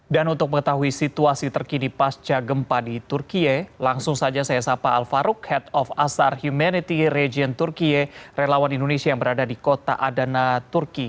dan untuk mengetahui situasi terkini pasca gempa di turkiye langsung saja saya sapa al farouk head of asar humanity region turkiye relawan indonesia yang berada di kota adana turki